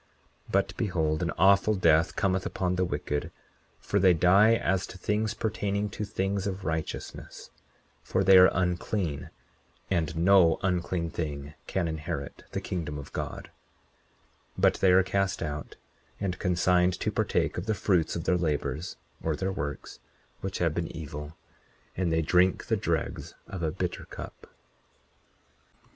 40:26 But behold, an awful death cometh upon the wicked; for they die as to things pertaining to things of righteousness; for they are unclean, and no unclean thing can inherit the kingdom of God; but they are cast out, and consigned to partake of the fruits of their labors or their works, which have been evil; and they drink the dregs of a bitter cup.